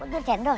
buat bayar jendol